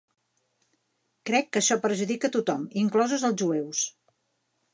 Crec que això perjudica tothom, inclosos els jueus.